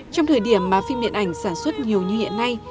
trong thời điểm mà phim điện ảnh sản xuất nhiều như hiện nay